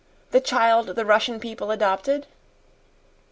"The child the Russian people adopted?"